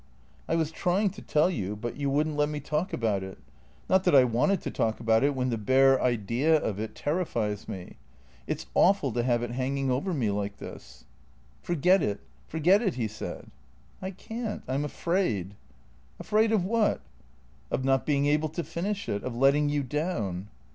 " I was trying to tell you, but you would n't let me talk about it. Not that I wanted to talk about it when the bare idea of it terrifies me. It 's awful to have it hanging over me like this." " Forget it. Forget it," he said. " I can't. I 'm afraid." "Afraid of what?" " Of not being able to finish it — of letting you down."